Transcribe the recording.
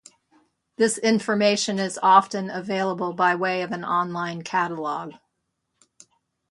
This information is often available by way of an online catalog.